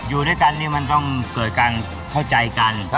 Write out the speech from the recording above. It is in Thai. อยู่ด้วยกันนี่มันต้องเกิดการเข้าใจกัน